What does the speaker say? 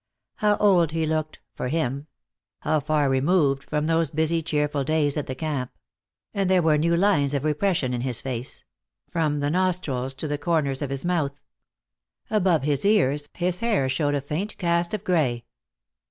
How old he looked, for him! How far removed from those busy, cheerful days at the camp! And there were new lines of repression in his face; from the nostrils to the corners of his mouth. Above his ears his hair showed a faint cast of gray.